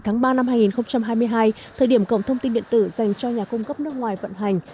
năm hai nghìn hai mươi hai thời điểm cổng thông tin địa tử dành cho nhà cung cấp nước ngoài vận hành